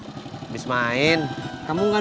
habis main kamu gak ada teman